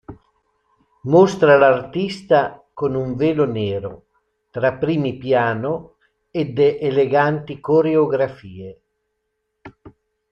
Mostra l'artista con un velo nero, tra primi-piano ed eleganti coreografie.